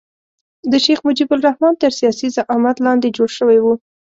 د شیخ مجیب الرحمن تر سیاسي زعامت لاندې جوړ شوی وو.